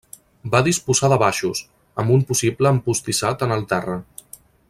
Va disposar de baixos, amb un possible empostissat en el terra.